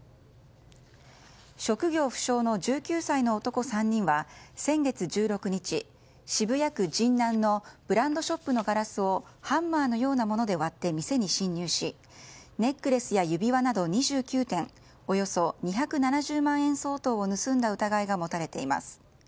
職業不詳の１９歳の男３人は先月１６日、渋谷区神南のブランドショップのガラスをハンマーのようなもので割って店に侵入しネックレスや指輪など２９点およそ２７０万円相当を盗んだ疑いが持たれています。